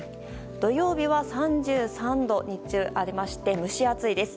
土曜日は３３度日中は蒸し暑いです。